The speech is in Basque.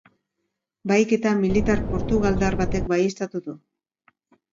Bahiketa militar portugaldar batek baieztatu du.